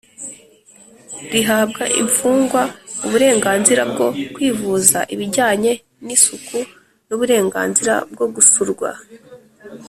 rihabwa imfungwa uburenganzira bwo kwivuza ibijyanye n isuku n uburenganzira bwo gusurwa